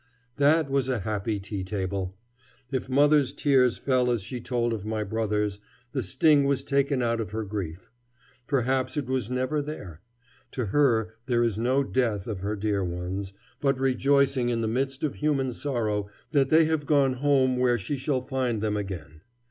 That was a happy tea table. If mother's tears fell as she told of my brothers, the sting was taken out of her grief. Perhaps it was never there. To her there is no death of her dear ones, but rejoicing in the midst of human sorrow that they have gone home where she shall find them again.